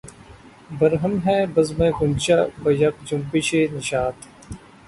برہم ہے بزمِ غنچہ بہ یک جنبشِ نشاط